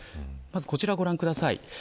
こちらをご覧ください。